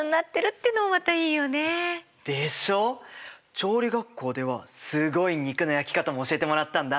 調理学校ではすごい肉の焼き方も教えてもらったんだ。